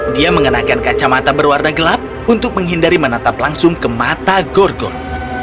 dia mengenakan kacamata berwarna gelap untuk menghindari menatap langsung ke mata gorgon